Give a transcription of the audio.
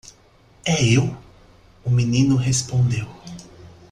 "É eu?" o menino respondeu.